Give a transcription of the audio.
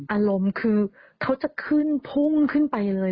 อารมณ์คือเขาจะขึ้นพุ่งขึ้นไปเลย